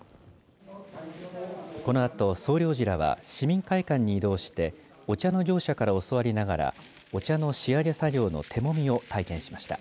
このあと、総領事らは市民会館に移動してお茶の業者から教わりながらお茶の仕上げ作業の手もみを体験しました。